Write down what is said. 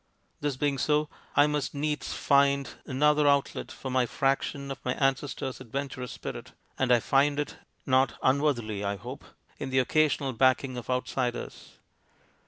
This being so, I must needs find another outlet for my fraction of my ancestor's adventurous spirit, and I find it, not unworthily I hope, in the occasional backing of outsiders.